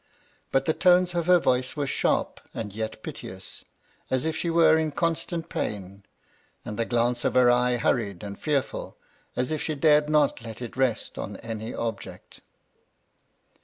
But the tones of her voice were sharp and yet piteous, as if she were in constant pain ; and the glance of her eye hurried and fearful, as if she dared not let it rest on any object.